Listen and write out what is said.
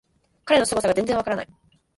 彼のすごさが全然わからない